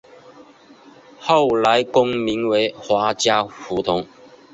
后来更名为华嘉胡同。